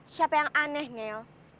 siapa yang aneh nel